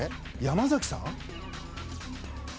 山崎さん？